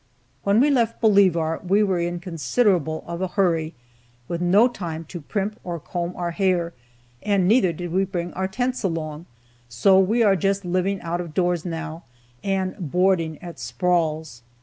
When we left Bolivar we were in considerable of a hurry, with no time to primp or comb our hair, and neither did we bring our tents along, so we are just living out of doors now, and "boarding at Sprawl's."